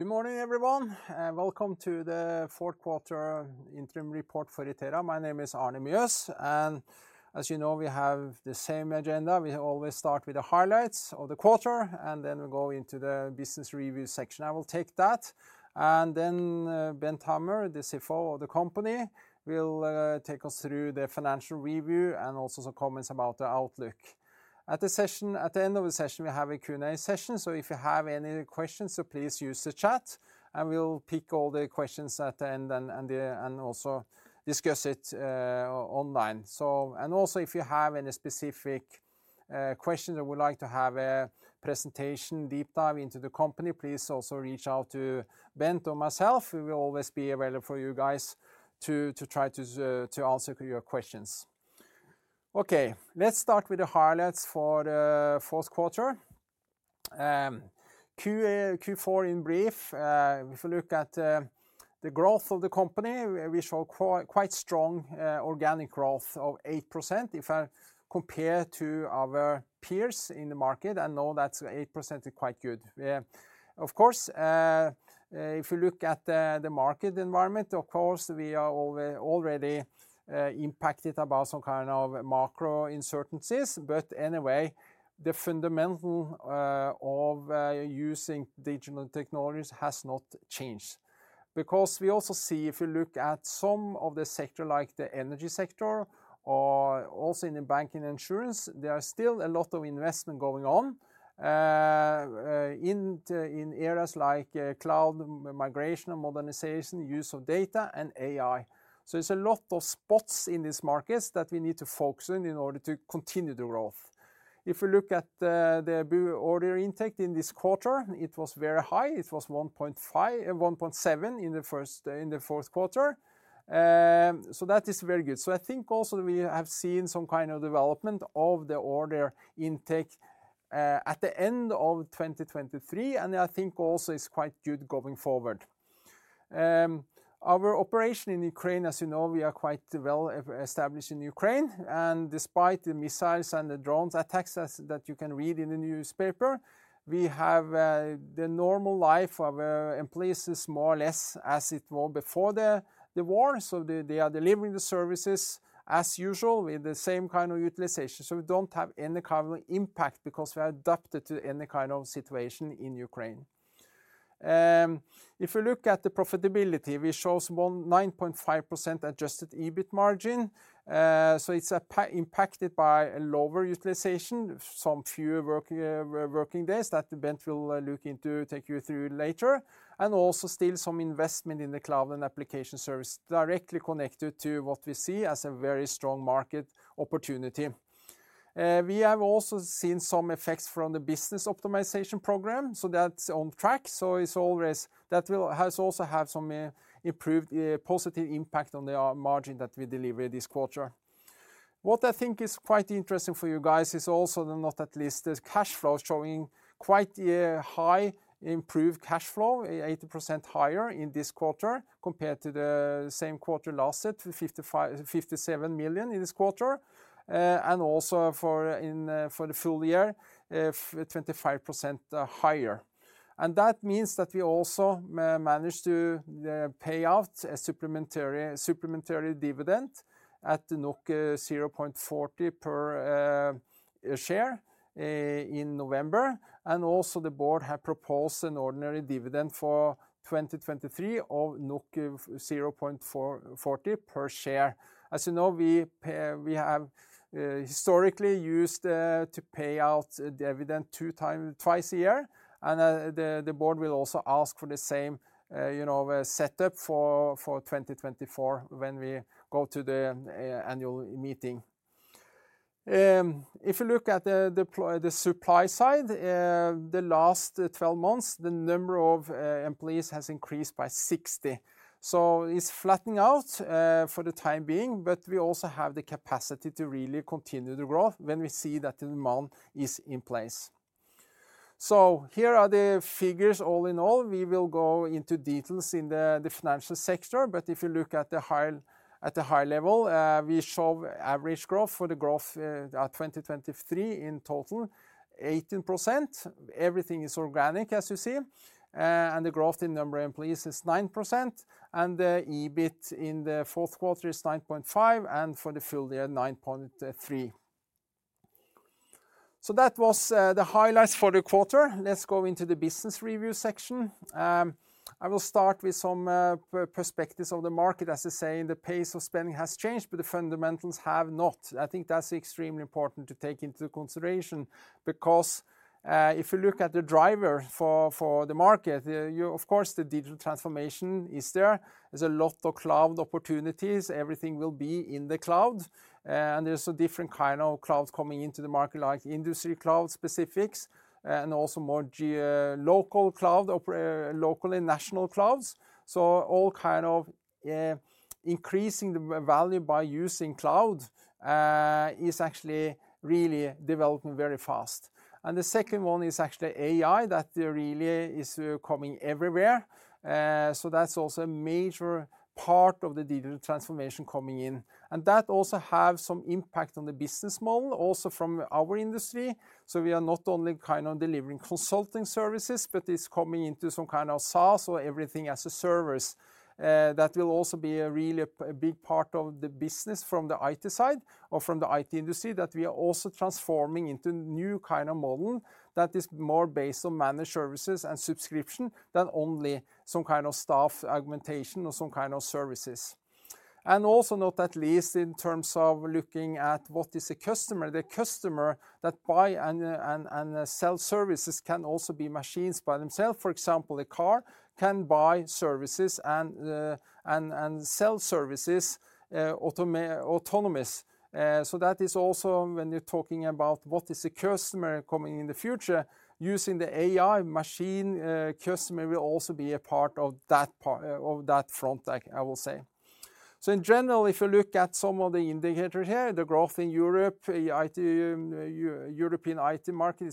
Good morning, everyone, and welcome to the Fourth Quarter Interim Report for Itera. My name is Arne Mjøs, and as you know, we have the same agenda. We always start with the highlights of the quarter, and then we go into the business review section. I will take that, and then, Bent Hammer, the CFO of the company, will take us through the financial review and also some comments about the outlook. At the session, at the end of the session, we have a Q&A session, so if you have any questions, so please use the chat, and we'll pick all the questions at the end and also discuss it online. So, and also, if you have any specific questions or would like to have a presentation, deep dive into the company, please also reach out to Bent or myself. We will always be available for you guys to try to answer your questions. Okay, let's start with the highlights for the fourth quarter. Q4 in brief, if you look at the growth of the company, we show quite strong organic growth of 8%. If I compare to our peers in the market, I know that 8% is quite good. Yeah, of course, if you look at the market environment, of course, we are already impacted about some kind of macro uncertainties, but anyway, the fundamentals of using digital technologies has not changed. Because we also see if you look at some of the sector, like the energy sector, or also in the banking insurance, there are still a lot of investment going on in the in areas like cloud migration and modernization, use of data, and AI. So there's a lot of spots in these markets that we need to focus on in order to continue the growth. If you look at the the order intake in this quarter, it was very high. It was 1.5 1.7 in the fourth quarter. So that is very good. So I think also we have seen some kind of development of the order intake at the end of 2023, and I think also it's quite good going forward. Our operation in Ukraine, as you know, we are quite well established in Ukraine, and despite the missiles and the drones attacks that you can read in the newspaper, we have the normal life of employees is more or less as it were before the war. So they are delivering the services as usual with the same kind of utilization. So we don't have any kind of impact because we are adapted to any kind of situation in Ukraine. If you look at the profitability, which shows 9.5% adjusted EBIT margin, so it's impacted by a lower utilization, some fewer working days that Bent will look into, take you through later, and also still some investment in the cloud and application service, directly connected to what we see as a very strong market opportunity. We have also seen some effects from the business optimization program, so that's on track. So it's always, that has also have some, improved, positive impact on the, margin that we delivered this quarter. What I think is quite interesting for you guys is also the, not at least, the cash flow showing quite a high improved cash flow, 80% higher in this quarter compared to the same quarter last year, 55 million, 57 million in this quarter, and also for in, for the full year, 25% higher. And that means that we also managed to, pay out a supplementary, supplementary dividend at NOK 0.40 per, share, in November, and also the board have proposed an ordinary dividend for 2023 of 0.40 per share. As you know, we pay, we have historically used to pay out the dividend twice a year, and the board will also ask for the same, you know, setup for 2024 when we go to the annual meeting. If you look at the deploy, the supply side, the last 12 months, the number of employees has increased by 60. So it's flattening out for the time being, but we also have the capacity to really continue to grow when we see that the demand is in place. So here are the figures all in all. We will go into details in the financial sector, but if you look at the high, at a high level, we show average growth for the growth at 2023 in total, 18%. Everything is organic, as you see, and the growth in number of employees is 9%, and the EBIT in the fourth quarter is 9.5%, and for the full year, 9.3%. So that was the highlights for the quarter. Let's go into the business review section. I will start with some perspectives of the market. As I say, the pace of spending has changed, but the fundamentals have not. I think that's extremely important to take into consideration because if you look at the driver for the market, you, of course, the digital transformation is there. There's a lot of cloud opportunities. Everything will be in the cloud, and there's a different kind of cloud coming into the market, like industry cloud specifics and also more geo-local cloud, operational local and national clouds. So all kind of increasing the value by using cloud is actually really developing very fast. And the second one is actually AI, that really is coming everywhere. So that's also a major part of the digital transformation coming in, and that also have some impact on the business model, also from our industry. So we are not only kind of delivering consulting services, but it's coming into some kind of SaaS or everything as a service. That will also be a really a big part of the business from the IT side or from the IT industry, that we are also transforming into new kind of model that is more based on managed services and subscription, than only some kind of staff augmentation or some kind of services. Also, not at least in terms of looking at what is a customer, the customer that buy and sell services can also be machines by themselves. For example, a car can buy services and sell services, autonomous. So that is also when you're talking about what is the customer coming in the future, using the AI machine, customer will also be a part of that front, I will say. So in general, if you look at some of the indicators here, the growth in Europe, IT, European IT market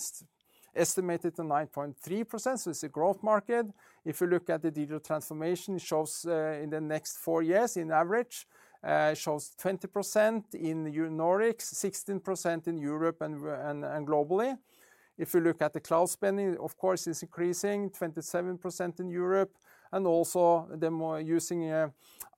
is estimated to 9.3%, so it's a growth market. If you look at the digital transformation, it shows, in the next four years, in average, it shows 20% in the Nordics, 16% in Europe, and globally. If you look at the cloud spending, of course, it's increasing 27% in Europe, and also the more using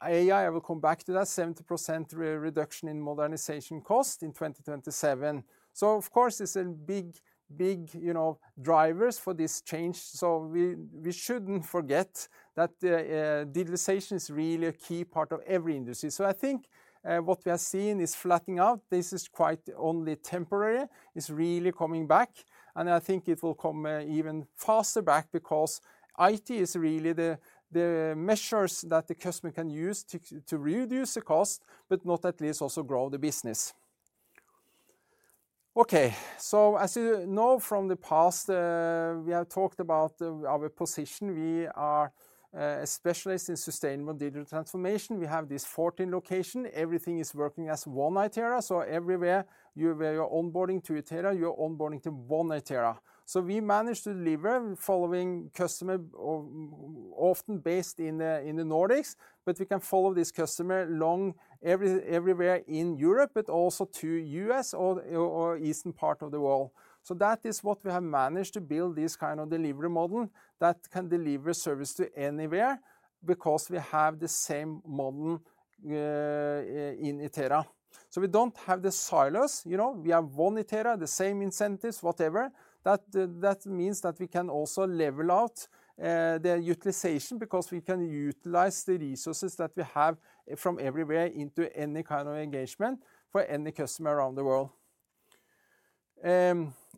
AI, I will come back to that, 70% re-reduction in modernization cost in 2027. So of course, it's a big, big, you know, drivers for this change, so we, we shouldn't forget that the digitalization is really a key part of every industry. So I think what we are seeing is flattening out. This is quite only temporary, it's really coming back, and I think it will come even faster back because IT is really the measures that the customer can use to reduce the cost, but not at least also grow the business. Okay, so as you know from the past, we have talked about the-- our position. We are a specialist in sustainable digital transformation. We have this 14 location. Everything is working as One Itera, so everywhere, wherever you're onboarding to Itera, you're onboarding to One Itera. So we manage to deliver following customer, or often based in the Nordics, but we can follow this customer along everywhere in Europe, but also to U.S. or, or eastern part of the world. So that is what we have managed to build this kind of delivery model, that can deliver service to anywhere, because we have the same model, in Itera. So we don't have the silos, you know, we have One Itera, the same incentives, whatever. That means that we can also level out the utilization, because we can utilize the resources that we have from everywhere into any kind of engagement for any customer around the world.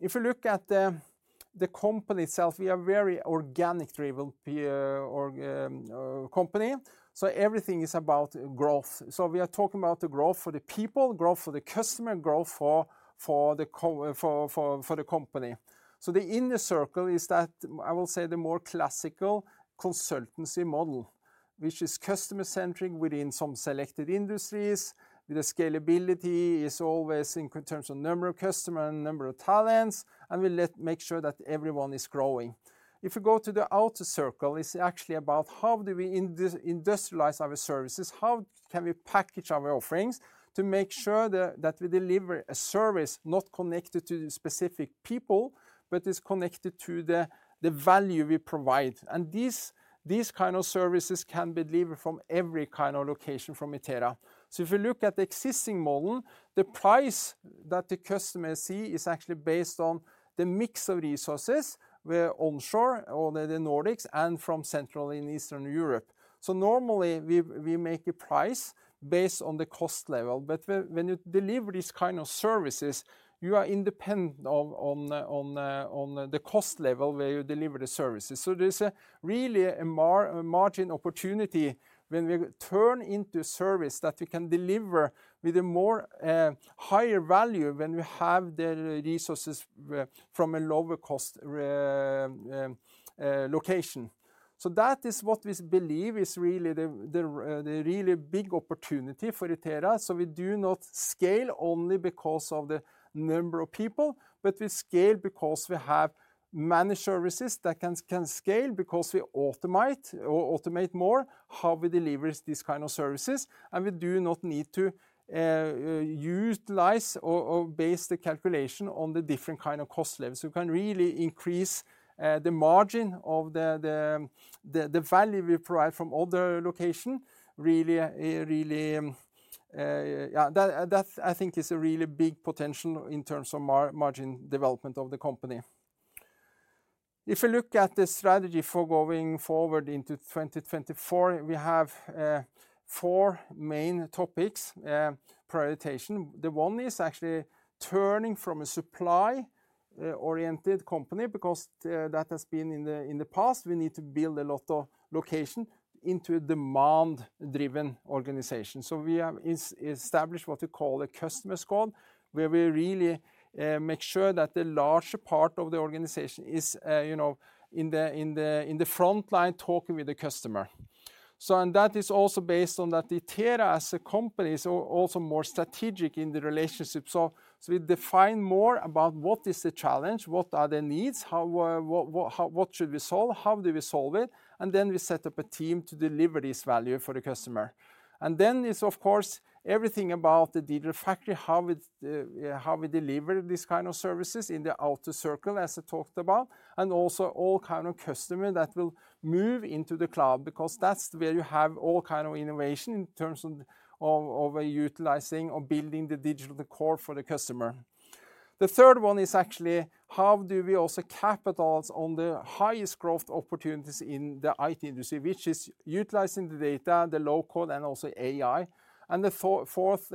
If you look at the company itself, we are very organic-driven company, so everything is about growth. So we are talking about the growth for the people, growth for the customer, and growth for the company. So the inner circle is that, I will say, the more classical consultancy model, which is customer-centric within some selected industries. The scalability is always in terms of number of customers and number of talents, and we let make sure that everyone is growing. If you go to the outer circle, it's actually about how do we industrialize our services? How can we package our offerings to make sure that we deliver a service not connected to the specific people, but is connected to the value we provide? These kind of services can be delivered from every kind of location from Itera. So if you look at the existing model, the price that the customer see is actually based on the mix of resources, where onshore or the Nordics, and from Central and Eastern Europe. So normally, we make a price based on the cost level, but when you deliver these kind of services, you are independent of the cost level, where you deliver the services. So there's really a margin opportunity when we turn into service, that we can deliver with a more higher value when we have the resources from a lower cost location. So that is what we believe is really the really big opportunity for Itera. So we do not scale only because of the number of people, but we scale because we have managed services that can scale, because we automate more how we deliver these kind of services, and we do not need to utilize or base the calculation on the different kind of cost levels. We can really increase the margin of the value we provide from other location, really. That, I think, is a really big potential in terms of margin development of the company. If you look at the strategy for going forward into 2024, we have four main topics, prioritization. The one is actually turning from a supply-oriented company, because that has been in the past, we need to build a lot of location into a demand-driven organization. So we have established what we call a customer squad, where we really make sure that the large part of the organization is, you know, in the front line, talking with the customer. So and that is also based on that Itera as a company is also more strategic in the relationship. So we define more about what is the challenge, what are the needs, how what should we solve, how do we solve it? And then we set up a team to deliver this value for the customer. Then is, of course, everything about the Digital Factory, how it, how we deliver this kind of services in the outer circle, as I talked about, and also all kind of customer that will move into the cloud, because that's where you have all kind of innovation in terms of utilizing or building the digital core for the customer. The third one is actually how do we also capitalize on the highest growth opportunities in the IT industry, which is utilizing the data, the low code, and also AI. And the fourth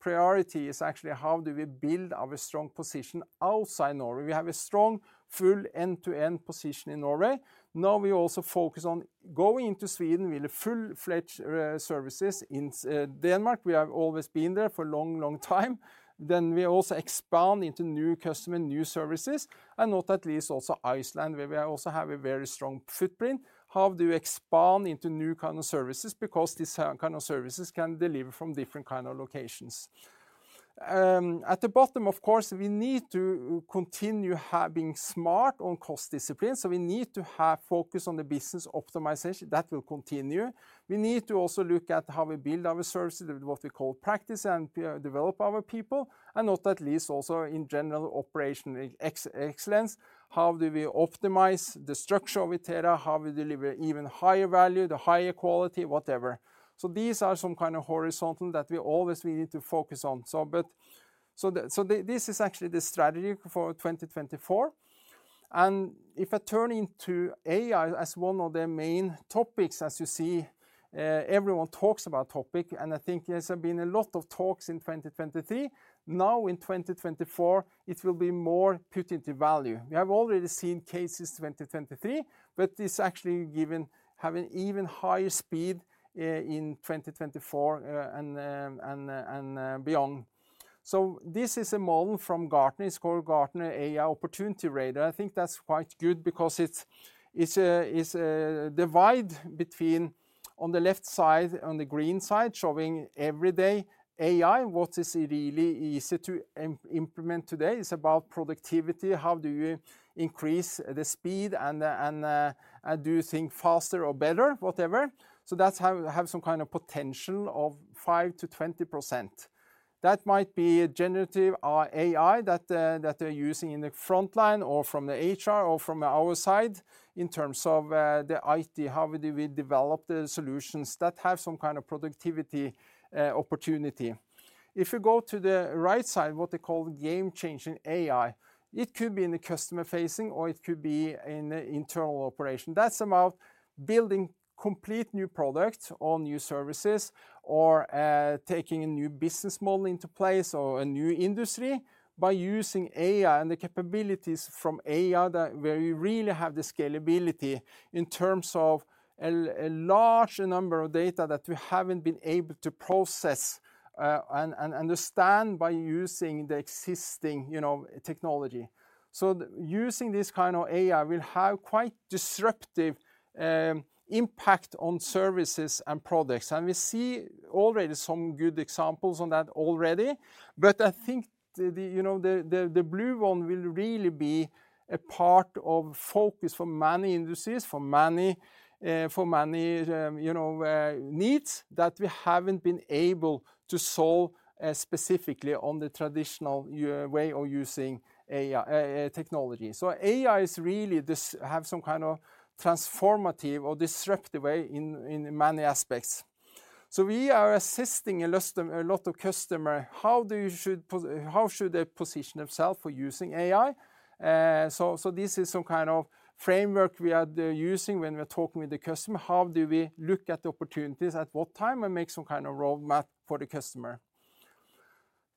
priority is actually how do we build our strong position outside Norway? We have a strong, full end-to-end position in Norway. Now we also focus on going into Sweden with a full-fledged services. In Denmark, we have always been there for a long, long time. Then we also expand into new customer, new services, and not at least also Iceland, where we also have a very strong footprint. How do you expand into new kind of services? Because these kind of services can deliver from different kind of locations. At the bottom, of course, we need to continue having smart on cost discipline, so we need to have focus on the business optimization - that will continue. We need to also look at how we build our services, what we call practice, and develop our people, and not at least also in general, operational excellence. How do we optimize the structure of Itera? How we deliver even higher value, the higher quality, whatever. So these are some kind of horizontal that we always need to focus on. So but... So this is actually the strategy for 2024, and if I turn into AI as one of the main topics, as you see, everyone talks about topic, and I think there's been a lot of talks in 2023. Now in 2024, it will be more put into value. We have already seen cases in 2023, but it's actually given, having even higher speed, in 2024, and beyond. So this is a model from Gartner. It's called Gartner AI Opportunity Radar. I think that's quite good because it's a divide between, on the left side, on the green side, showing Everyday AI, what is really easy to implement today. It's about productivity, how do you increase the speed and do you think faster or better, whatever. So that's how we have some kind of potential of 5%-20%. That might be Generative AI that that they're using in the frontline or from the HR or from our side, in terms of the IT, how do we develop the solutions that have some kind of productivity opportunity. If you go to the right side, what they call the Game-Changing AI, it could be in the customer-facing, or it could be in the internal operation. That's about building complete new products or new services, or taking a new business model into place or a new industry by using AI and the capabilities from AI, that where you really have the scalability in terms of a large number of data that we haven't been able to process and understand by using the existing, you know, technology. So using this kind of AI will have quite disruptive impact on services and products, and we see already some good examples on that already. But I think you know the blue one will really be a part of focus for many industries, for many for many you know needs that we haven't been able to solve specifically on the traditional way of using AI technology. So AI is really this have some kind of transformative or disruptive way in many aspects. So we are assisting a lot of a lot of customer how should they position themselves for using AI? So this is some kind of framework we are using when we're talking with the customer. How do we look at the opportunities, at what time, and make some kind of roadmap for the customer?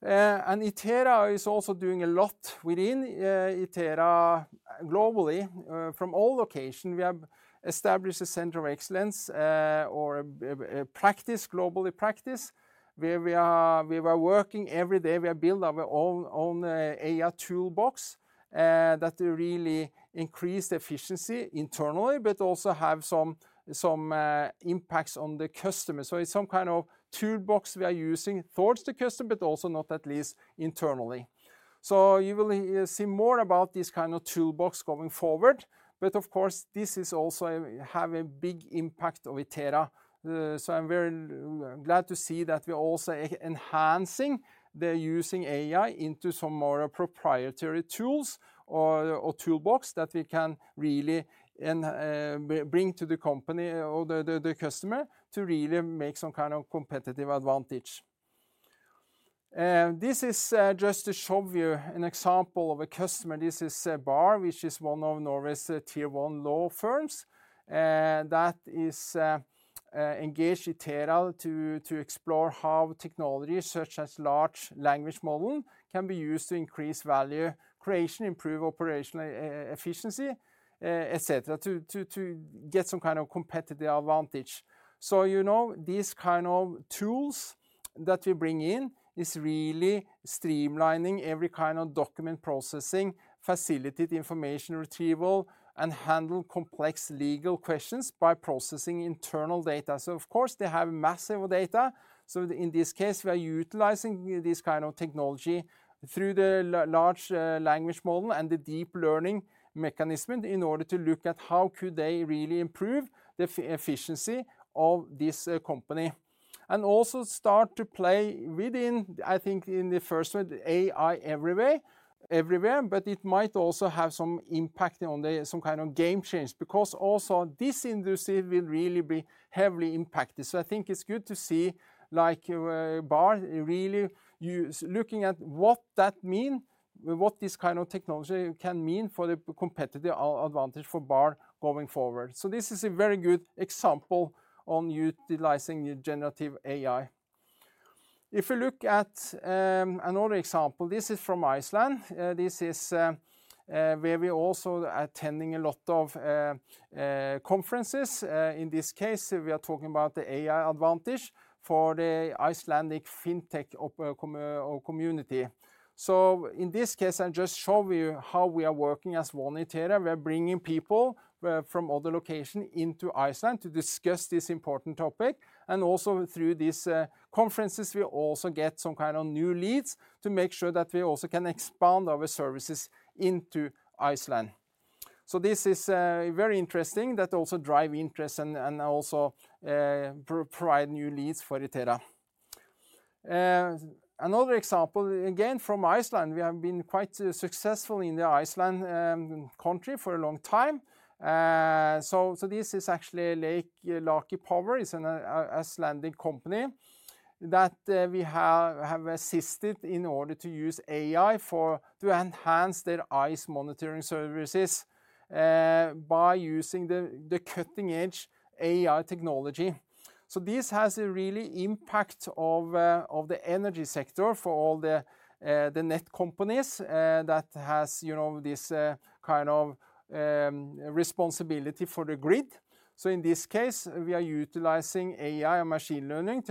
Itera is also doing a lot within Itera globally. From all locations, we have established a Center of Excellence or a practice, global practice, where we are working every day. We are build our own AI toolbox that really increase the efficiency internally, but also have some impacts on the customer. So it's some kind of toolbox we are using towards the customer, but also, not least, internally. So you will see more about this kind of toolbox going forward, but of course, this is also have a big impact of Itera. So I'm very glad to see that we are also enhancing the using AI into some more proprietary tools or toolbox that we can really bring to the company or the customer to really make some kind of competitive advantage. This is just to show you an example of a customer. This is BAHR, which is one of Norway's tier-one law firms that is engaged Itera to explore how technologies such as large language model can be used to increase value creation, improve operational efficiency, et cetera, to get some kind of competitive advantage. So you know, these kind of tools that we bring in is really streamlining every kind of document processing, facilitate information retrieval, and handle complex legal questions by processing internal data. So of course, they have massive data. In this case, we are utilizing this kind of technology through the large language model and the deep learning mechanism in order to look at how they could really improve the efficiency of this company and also start to play within, I think, in the first with AI everywhere, everywhere, but it might also have some impact on the some kind of game change, because also this industry will really be heavily impacted. I think it's good to see, like, BAHR really using looking at what that mean, what this kind of technology can mean for the competitive advantage for BAHR going forward. This is a very good example on utilizing generative AI. If you look at another example, this is from Iceland. This is where we also attending a lot of conferences. In this case, we are talking about the AI advantage for the Icelandic fintech operation, company, or community. So in this case, I just show you how we are working as One Itera. We are bringing people from other location into Iceland to discuss this important topic, and also through these conferences, we also get some kind of new leads to make sure that we also can expand our services into Iceland. So this is very interesting, that also drive interest and also provide new leads for Itera. Another example, again, from Iceland, we have been quite successful in Iceland for a long time. So this is actually Laki Power. It's an Icelandic company that we have assisted in order to use AI to enhance their ice monitoring services by using the cutting-edge AI technology. So this has a really impact of the energy sector for all the net companies that has you know this kind of responsibility for the grid. So in this case, we are utilizing AI and machine learning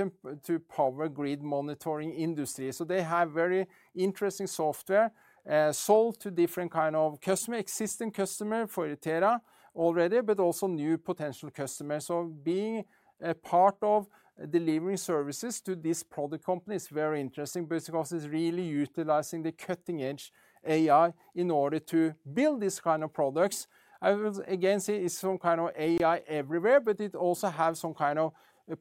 to power grid monitoring industry. So they have very interesting software sold to different kind of customer, existing customer for Itera already, but also new potential customers. So being a part of delivering services to this product company is very interesting because it's really utilizing the cutting-edge AI in order to build these kind of products. I will again say it's some kind of AI everywhere, but it also have some kind of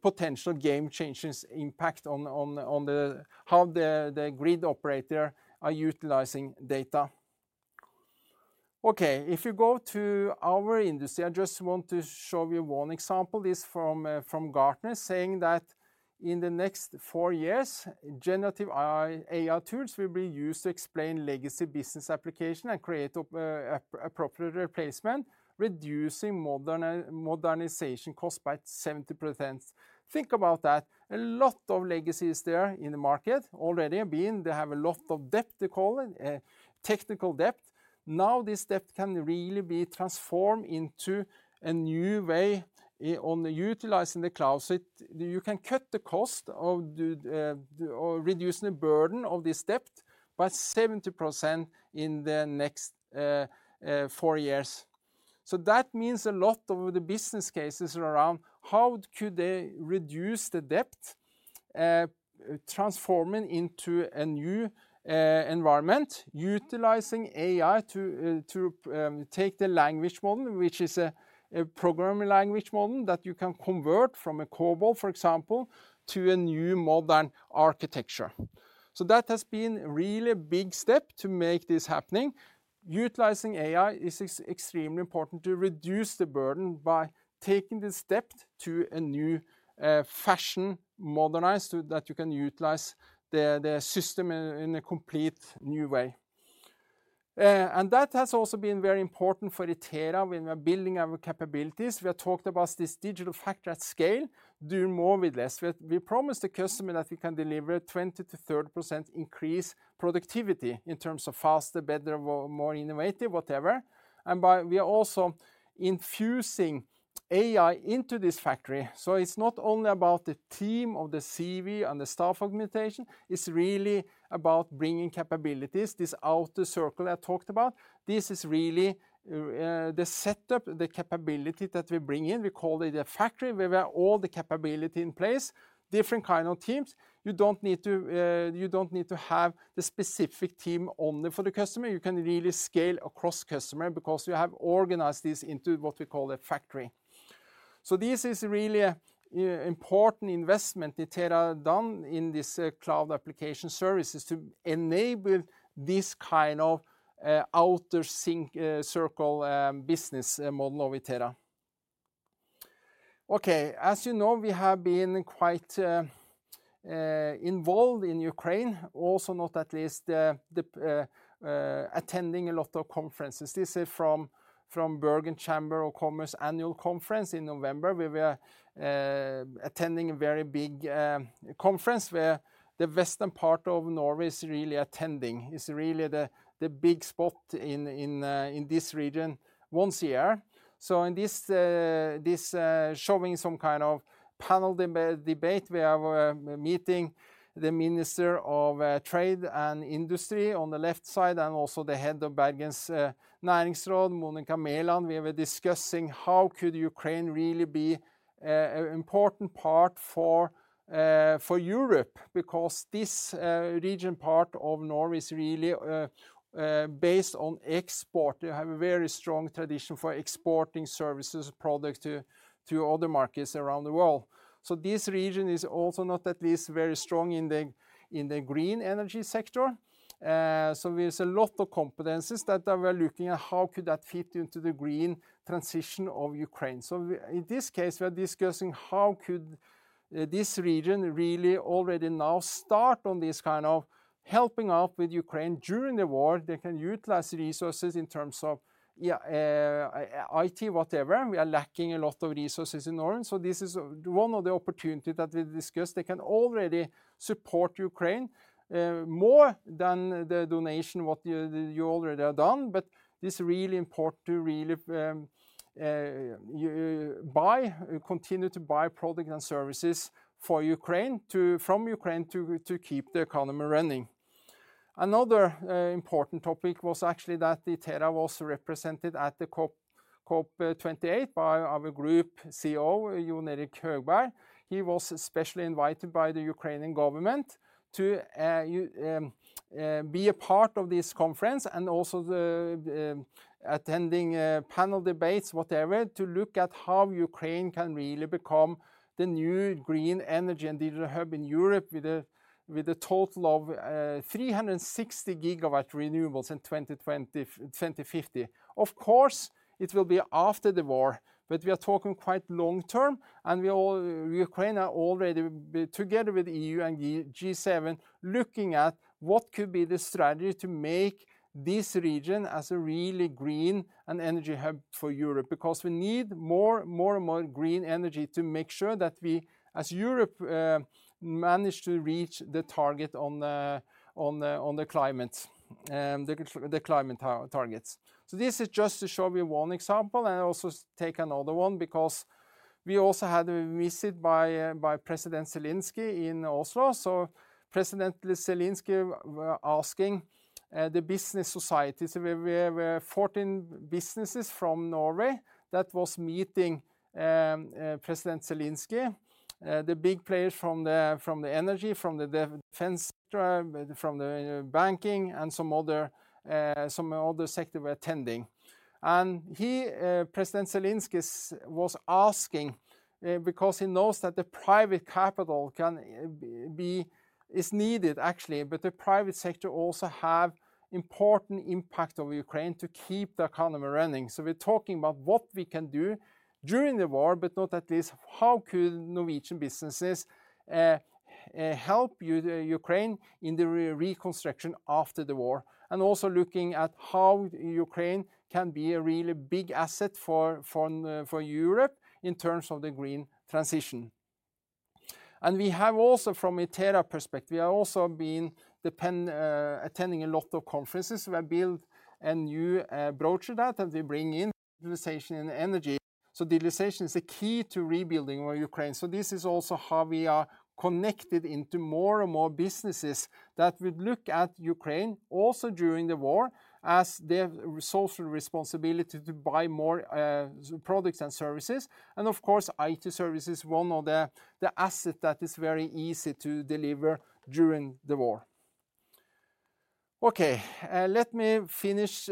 potential game changes impact on, on, on the, how the, the grid operator are utilizing data. Okay, if you go to our industry, I just want to show you one example. This from, from Gartner, saying that, "In the next four years, generative AI tools will be used to explain legacy business application and create a, a, appropriate replacement, reducing modernization costs by 70%." Think about that. A lot of legacies there in the market already been, they have a lot of depth, they call it, technical depth. Now, this debt can really be transformed into a new way of utilizing the cloud, so it you can cut the cost of the, or reduce the burden of this debt by 70% in the next four years. So that means a lot of the business cases around: How could they reduce the debt, transforming into a new environment, utilizing AI to take the language model, which is a programming language model, that you can convert from COBOL, for example, to a new modern architecture? So that has been a really big step to make this happening. Utilizing AI is extremely important to reduce the burden by taking this step to a new fashion, modernized, so that you can utilize the system in a complete new way. And that has also been very important for Itera when we are building our capabilities. We have talked about this Digital Factory at Scale, do more with less. We promised the customer that we can deliver 20%-30% increased productivity in terms of faster, better, or more innovative, whatever, and we are also infusing AI into this factory. So it's not only about the team or the CV and the staff augmentation, it's really about bringing capabilities. This outer circle I talked about, this is really the setup, the capability that we bring in. We call it a factory, where we have all the capability in place, different kind of teams. You don't need to have the specific team only for the customer. You can really scale across customer because we have organized this into what we call a factory. So this is really a important investment Itera done in this, cloud application services to enable this kind of, outer sync, circle, business model of Itera. Okay, as you know, we have been quite, involved in Ukraine, also not at least the, the, attending a lot of conferences. This is from, from Bergen Chamber of Commerce annual conference in November. We were, attending a very big, conference, where the western part of Norway is really attending. It's really the, the big spot in, in, in this region once a year. So in this showing some kind of panel debate, we have a meeting the Minister of Trade and Industry on the left side, and also the head of Bergen Næringsråd, Monica Mæland. We were discussing how could Ukraine really be an important part for Europe? Because this region, part of Norway, is really based on export. They have a very strong tradition for exporting services, products to other markets around the world. So this region is also not least very strong in the green energy sector. So there's a lot of competencies that we are looking at, how could that fit into the green transition of Ukraine? So in this case, we are discussing how this region could really already now start on this kind of helping out with Ukraine during the war. They can utilize resources in terms of IT, whatever. We are lacking a lot of resources in Norway, so this is one of the opportunity that we discussed. They can already support Ukraine more than the donation, what you already have done, but it's really important to really buy, continue to buy product and services for Ukraine, to from Ukraine, to keep the economy running. Another important topic was actually that the Itera was represented at the COP 28 by our Group COO, Jon Erik Høgberg. He was especially invited by the Ukrainian government to be a part of this conference, and also the attending panel debates, whatever, to look at how Ukraine can really become the new green energy and digital hub in Europe, with a total of 360 GW renewables in 2020, 2050. Of course, it will be after the war, but we are talking quite long term, and Ukraine are already, together with EU and G7, looking at what could be the strategy to make this region as a really green and energy hub for Europe. Because we need more, more and more green energy to make sure that we, as Europe, manage to reach the target on the climate targets. So this is just to show you one example, and I also take another one, because we also had a visit by President Zelenskyy in Oslo. So President Zelenskyy were asking the business societies. We were 14 businesses from Norway that was meeting President Zelenskyy. The big players from the energy, from the defense, from the banking, and some other sector were attending. And he, President Zelenskyy, was asking because he knows that the private capital can be... is needed, actually, but the private sector also have important impact over Ukraine to keep the economy running. So we're talking about what we can do during the war, but not at least, how could Norwegian businesses help Ukraine in the reconstruction after the war? And also looking at how Ukraine can be a really big asset for Europe in terms of the green transition. And we have also, from Itera perspective, we have also been depending on attending a lot of conferences. We have built a new brochure that we bring in utilities and energy. So digitalization is a key to rebuilding Ukraine. So this is also how we are connected into more and more businesses that would look at Ukraine, also during the war, as their social responsibility to buy more products and services. And of course, IT service is one of the asset that is very easy to deliver during the war. Okay, let me finish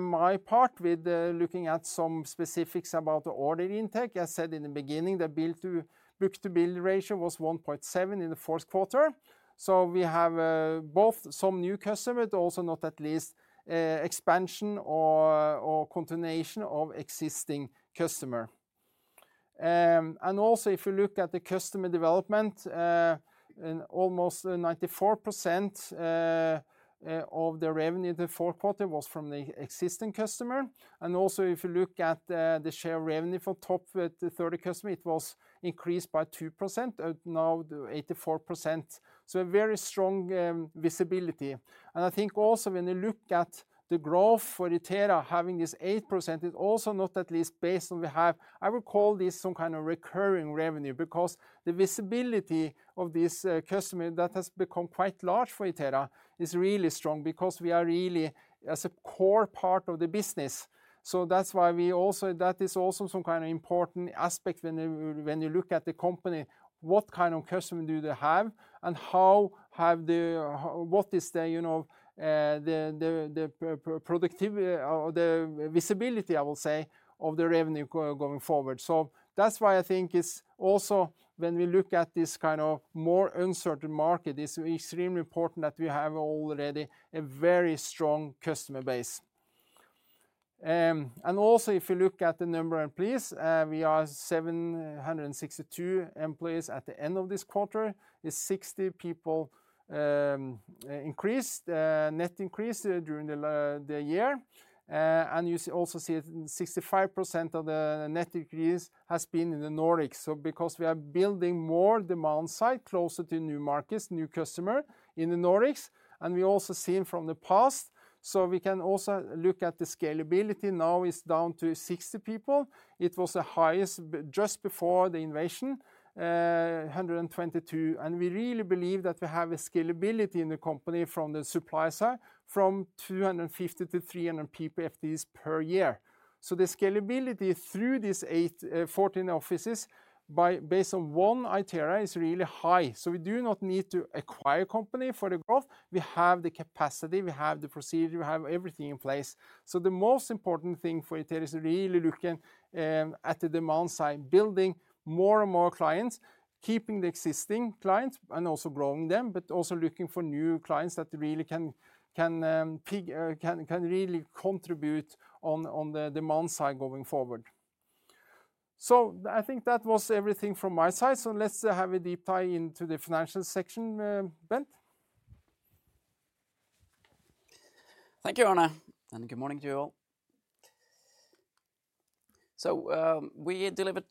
my part with looking at some specifics about the order intake. I said in the beginning, the book-to-bill ratio was 1.7 in the fourth quarter. So we have both some new customer, but also not least expansion or continuation of existing customer. And also, if you look at the customer development, in almost 94% of the revenue in the fourth quarter was from the existing customer. And also, if you look at the share of revenue for top thirty customer, it was increased by 2%, and now to 84%, so a very strong visibility. And I think also when you look at the growth for Itera, having this 8%, it also not least based on we have, I would call this some kind of recurring revenue. Because the visibility of this customer, that has become quite large for Itera, is really strong, because we are really as a core part of the business. So that's why we also—that is also some kind of important aspect when you, when you look at the company, what kind of customer do they have, and how have the... what is the, you know, the productivity or the visibility, I will say, of the revenue going forward? So that's why I think it's also, when we look at this kind of more uncertain market, it's extremely important that we have already a very strong customer base.... and also if you look at the number of employees, we are 762 employees at the end of this quarter, is 60 people, increased, net increase during the year. And you also see 65% of the net increase has been in the Nordics. So because we are building more demand side closer to new markets, new customer in the Nordics, and we also seen from the past. So we can also look at the scalability now is down to 60 people. It was the highest just before the invasion, 122. And we really believe that we have a scalability in the company from the supply side, from 250-300 people FTEs per year. So the scalability through these eight, 14 offices, based on 1 Itera is really high. So we do not need to acquire company for the growth. We have the capacity, we have the procedure, we have everything in place. So the most important thing for Itera is really looking at the demand side, building more and more clients, keeping the existing clients and also growing them, but also looking for new clients that really can contribute on the demand side going forward. So I think that was everything from my side. So let's have a deep dive into the financial section, Bent. Thank you, Arne, and good morning to you all. So, we delivered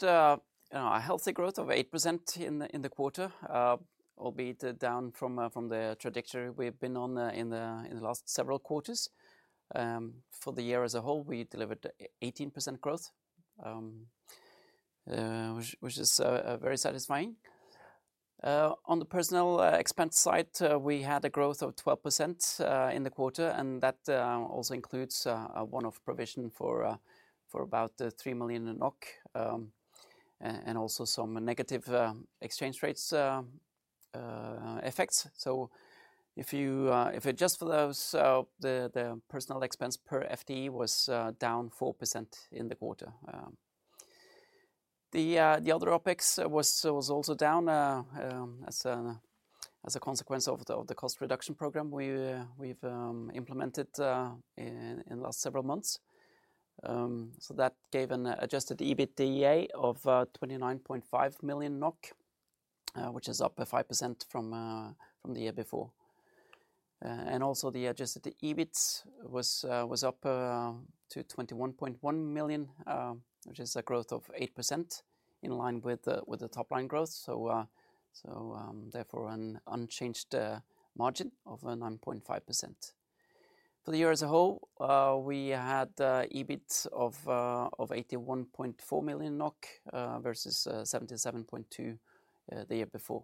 a healthy growth of 8% in the quarter, albeit down from the trajectory we've been on in the last several quarters. For the year as a whole, we delivered 18% growth, which is very satisfying. On the personnel expense side, we had a growth of 12% in the quarter, and that also includes a one-off provision for about 3 million, and also some negative exchange rates effects. So if you adjust for those, the personnel expense per FTE was down 4% in the quarter. The other OpEx was also down as a consequence of the cost reduction program we've implemented in the last several months. So that gave an adjusted EBITDA of 29.5 million NOK, which is up by 5% from the year before. And also the adjusted EBIT was up to 21.1 million, which is a growth of 8%, in line with the top line growth. So therefore, an unchanged margin of 9.5%. For the year as a whole, we had EBIT of 81.4 million NOK versus 77.2 million the year before.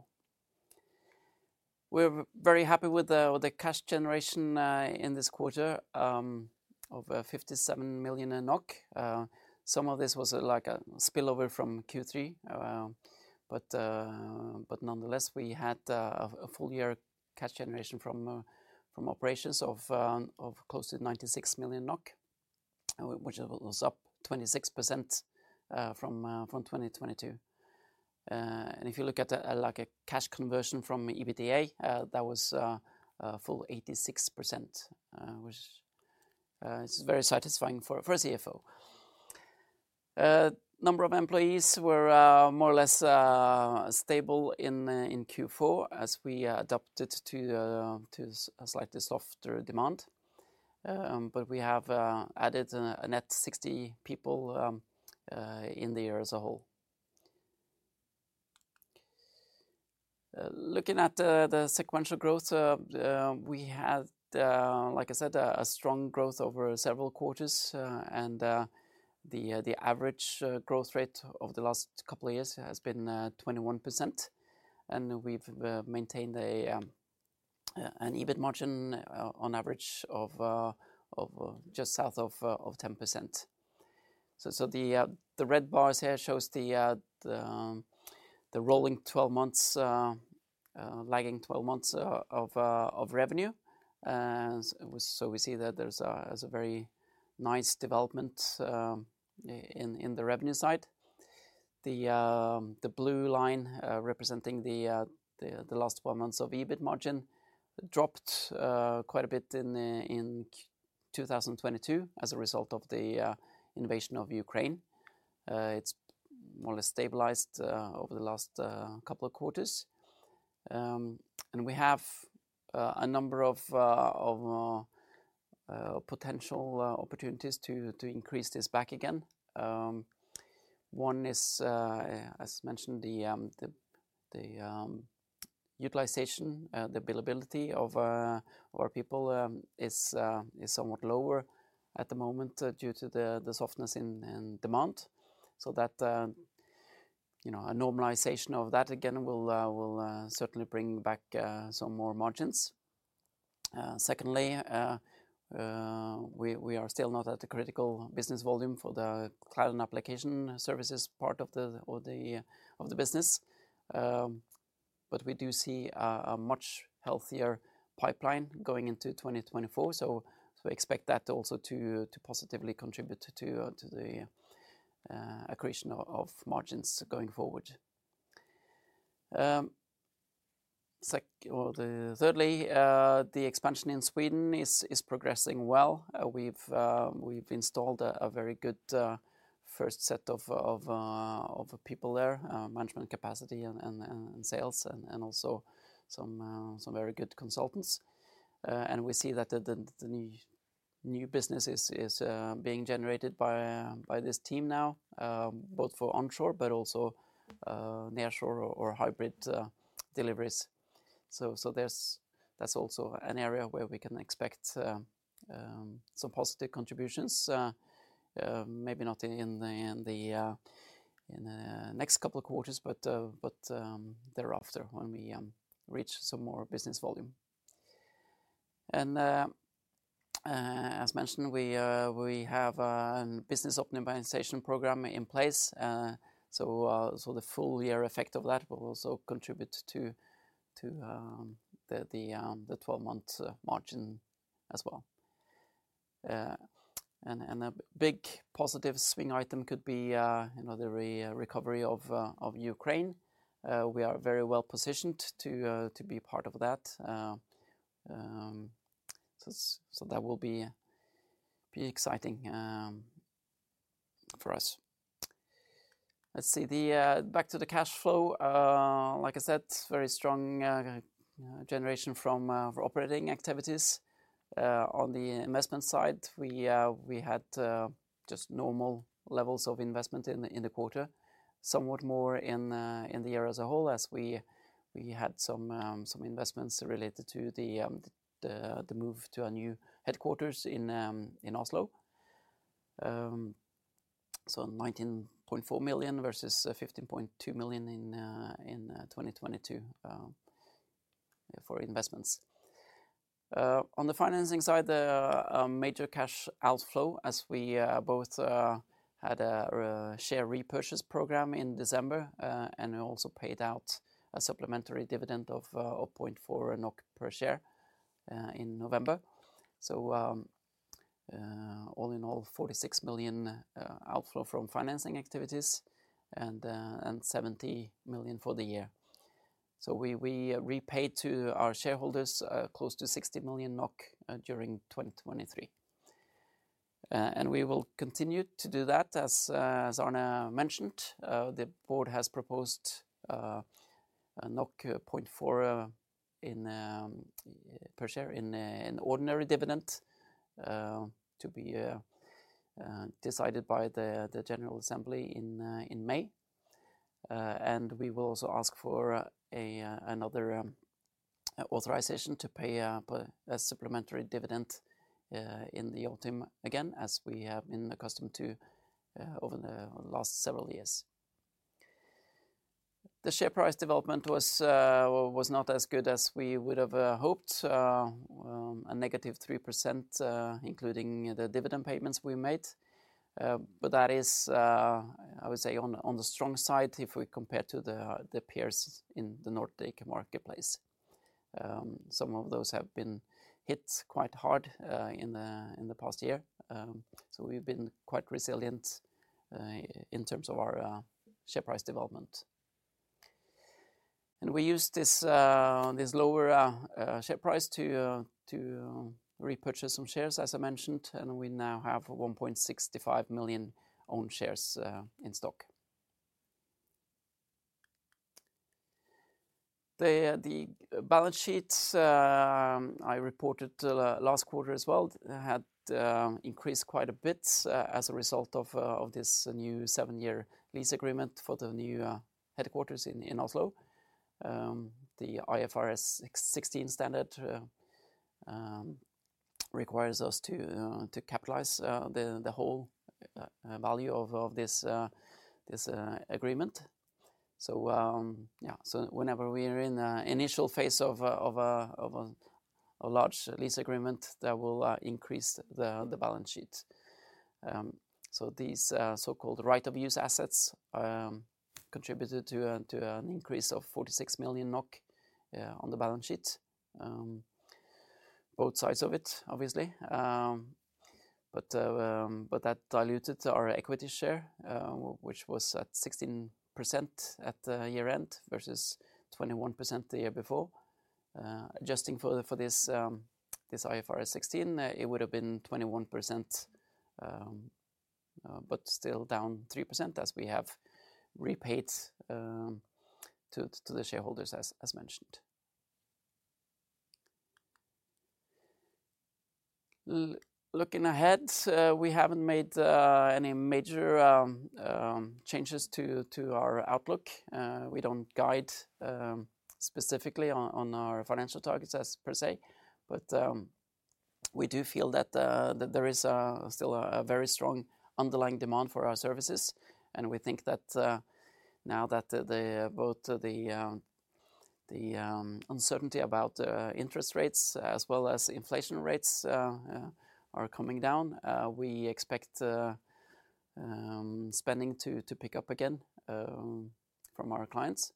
We're very happy with the cash generation in this quarter of 57 million NOK. Some of this was, like, a spillover from Q3, but nonetheless, we had a full year cash generation from operations of close to 96 million NOK, which was up 26% from 2022. And if you look at the, like, a cash conversion from EBITDA, that was a full 86%, which is very satisfying for a CFO. Number of employees were more or less stable in Q4 as we adapted to a slightly softer demand. But we have added a net 60 people in the year as a whole. Looking at the sequential growth, like I said, a strong growth over several quarters, and the average growth rate over the last couple of years has been 21%. And we've maintained an EBIT margin on average of just south of 10%. So the red bars here shows the rolling 12 months, lagging 12 months of revenue. So we see that there's a very nice development in the revenue side. The blue line representing the last four months of EBIT margin dropped quite a bit in Q2 2022 as a result of the invasion of Ukraine. It's more or less stabilized over the last couple of quarters. And we have a number of potential opportunities to increase this back again. One is, as mentioned, the utilization, the billability of our people is somewhat lower at the moment, due to the softness in demand. So that, you know, a normalization of that again, will certainly bring back some more margins. Secondly, we are still not at the critical business volume for the cloud and application services part of the business. But we do see a much healthier pipeline going into 2024, so we expect that also to positively contribute to the accretion of margins going forward. Or the thirdly, the expansion in Sweden is progressing well. We've installed a very good first set of people there, management capacity and sales, and also some very good consultants. And we see that the new business is being generated by this team now, both for onshore, but also nearshore or hybrid deliveries. So there's-- that's also an area where we can expect some positive contributions. Maybe not in the next couple of quarters, but thereafter, when we reach some more business volume. And as mentioned, we have a business optimization program in place. So the full year effect of that will also contribute to the 12-month margin as well. And a big positive swing item could be, you know, the recovery of Ukraine. We are very well positioned to be part of that. So that will be exciting for us. Let's see... Back to the cash flow, like I said, very strong generation from our operating activities. On the investment side, we had just normal levels of investment in the quarter. Somewhat more in the year as a whole, as we had some investments related to the move to our new headquarters in Oslo. So 19.4 million versus 15.2 million in 2022 for investments. On the financing side, a major cash outflow, as we both had a share repurchase program in December, and we also paid out a supplementary dividend of 0.4 NOK per share in November. So all in all, 46 million outflow from financing activities and 70 million for the year. So we repaid to our shareholders close to 60 million NOK during 2023. And we will continue to do that, as Arne mentioned, the board has proposed a 0.4 per share in an ordinary dividend to be decided by the General Assembly in May. And we will also ask for another authorization to pay a supplementary dividend in the autumn, again, as we have been accustomed to over the last several years. The share price development was not as good as we would have hoped. A -3%, including the dividend payments we made. But that is, I would say, on the strong side, if we compare to the peers in the Nordic marketplace. Some of those have been hit quite hard in the past year. So we've been quite resilient in terms of our share price development. And we used this lower share price to repurchase some shares, as I mentioned, and we now have 1.65 million own shares in stock. The balance sheet I reported last quarter as well had increased quite a bit as a result of this new seven-year lease agreement for the new headquarters in Oslo. The IFRS 16 standard requires us to capitalize the whole value of this agreement. So whenever we are in an initial phase of a large lease agreement, that will increase the balance sheet. So these so-called right of use assets contributed to an increase of 46 million NOK on the balance sheet. Both sides of it, obviously. But that diluted our equity share, which was at 16% at the year-end, versus 21% the year before. Adjusting for this IFRS 16, it would have been 21%, but still down 3%, as we have repaid to the shareholders, as mentioned. Looking ahead, we haven't made any major changes to our outlook. We don't guide specifically on our financial targets per se, but we do feel that there is still a very strong underlying demand for our services. We think that now that both the uncertainty about interest rates as well as inflation rates are coming down, we expect spending to pick up again from our clients.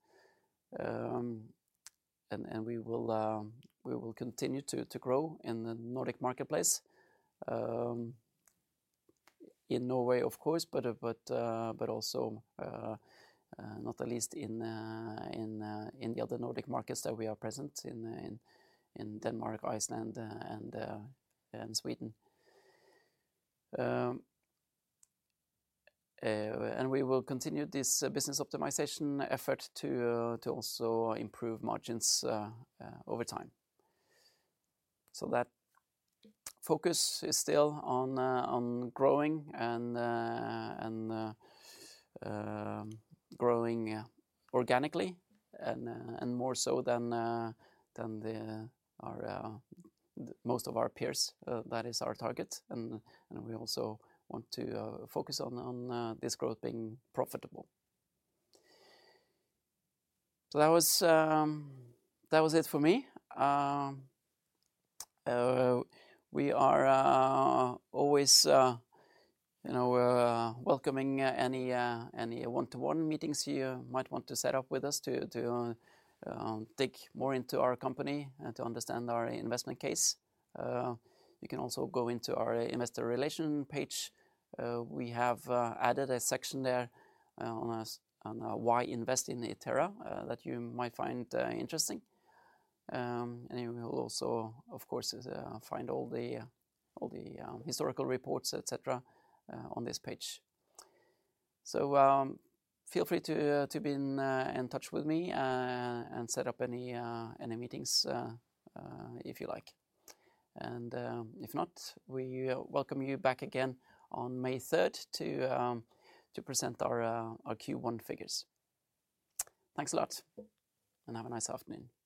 We will continue to grow in the Nordic marketplace. In Norway, of course, but also, not the least in the other Nordic markets that we are present in, in Denmark, Iceland, and Sweden. And we will continue this business optimization effort to also improve margins over time. So that focus is still on growing and growing organically and more so than most of our peers, that is our target, and we also want to focus on this growth being profitable. So that was it for me. We are always, you know, welcoming any one-to-one meetings you might want to set up with us to dig more into our company and to understand our investment case. You can also go into our investor relations page. We have added a section there on why invest in Itera that you might find interesting. And you will also, of course, find all the historical reports, et cetera, on this page. So, feel free to be in touch with me and set up any meetings if you like. If not, we welcome you back again on May 3rd to present our Q1 figures. Thanks a lot, and have a nice afternoon!